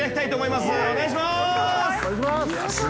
お願いします！